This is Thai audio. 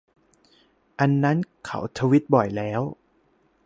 อันนั้นเขาทวิตบ่อยแล้ว